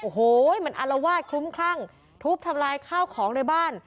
โอ้โหมันอารวาสคลุ้มคลั่งทุบทำลายข้าวของในบ้าน